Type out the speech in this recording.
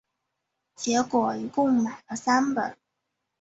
结果就一共买了三本